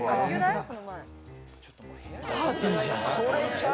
パーティーじゃん。